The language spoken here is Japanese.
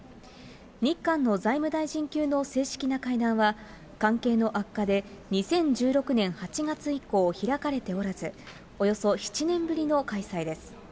日韓の財務大臣級の正式な会談は、関係の悪化で２０１６年８月以降開かれておらず、およそ７年ぶりの開催です。